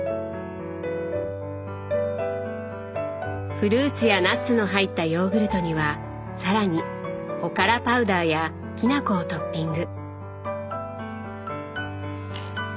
フルーツやナッツの入ったヨーグルトには更におからパウダーやきな粉をトッピング。